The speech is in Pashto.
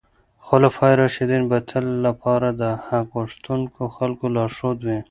خلفای راشدین به د تل لپاره د حق غوښتونکو خلکو لارښود وي.